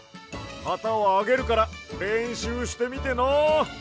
はたをあげるかられんしゅうしてみてな。